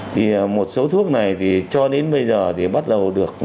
thì một số thuốc này thì cho đến bây giờ thì bắt đầu được